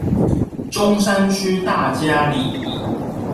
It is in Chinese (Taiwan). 中山區大佳里